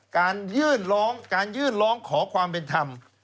การยื่นร้องขอความเป็นธรรม